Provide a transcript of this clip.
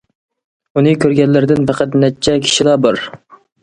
ئۇنى كۆرگەنلەردىن پەقەت نەچچە كىشىلا بار.